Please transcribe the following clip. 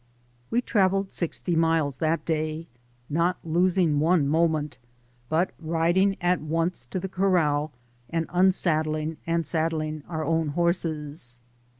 We travelled sixty miles that day, not lo^g one moment, but riding at once to the corr&l, and unsaddling and saddling our own horses.